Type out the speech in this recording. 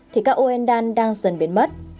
thì các oendan đang dần biến mất